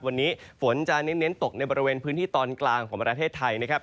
วันนี้ฝนจะเน้นตกในบริเวณพื้นที่ตอนกลางของประเทศไทยนะครับ